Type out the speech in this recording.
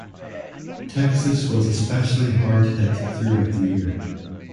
Texas was especially hard hit throughout the year.